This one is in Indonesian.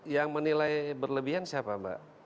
yang menilai berlebihan siapa mbak